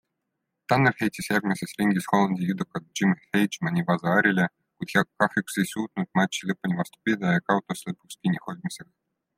Tanner heitis järgmises ringis Hollandi judokat Jim Heijmani waza-arile, kuid kahjuks ei suutnud matši lõpuni vastu pidada ja kaotas lõpuks kinnihoidmisega.